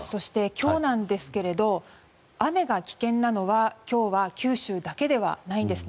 今日なんですけれど雨が危険なのは今日は九州だけではないんです。